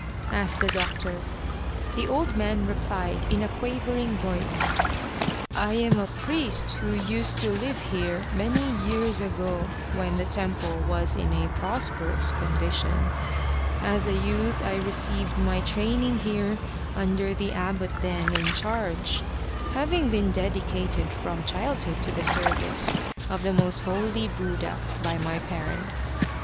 " asked the doctor. The old man replied, in a quavering voice, " I am the priest who used to live here many years ago when the temple was in a prosperous condition. As a youth I received my training here under the abbot then in charge, having been dedicated from childhood to the service of the most holy Buddha by my parents.